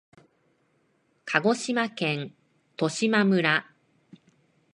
鹿児島県十島村